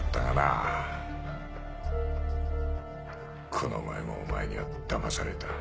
この前もお前にはだまされた。